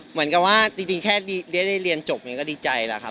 เหมือนกับว่าจริงแค่เรียนจบก็ดีใจแล้วครับ